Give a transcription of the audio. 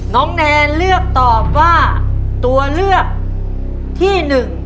น้องแนนเลือกตอบว่าตัวเลือกที่หนึ่ง